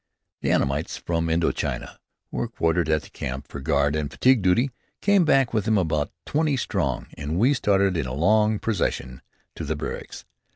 The Annamites, from Indo China, who are quartered at the camp for guard and fatigue duty, came back with him about twenty strong, and we started in a long procession to the barracks.